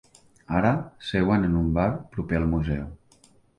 Ara seuen en un bar proper al museu.